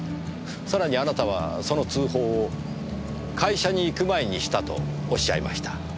さらにあなたはその通報を会社に行く前にしたとおっしゃいました。